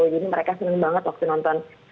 jadi mereka senang banget waktu nonton